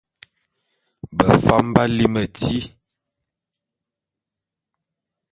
Befam b'á lí metíl.